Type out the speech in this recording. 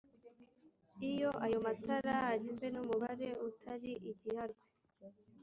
iyo ayo matara agizwe n'umubare utari igiharwe